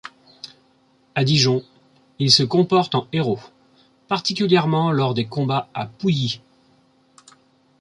À Dijon, il se comporte en héros, particulièrement lors des combats à Pouilly.